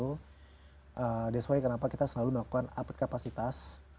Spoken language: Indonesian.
that's why kenapa kita selalu melakukan update kapasitas